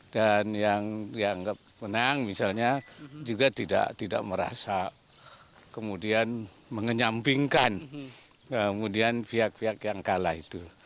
dan yang menang misalnya juga tidak merasa kemudian mengenyampingkan kemudian pihak pihak yang kalah itu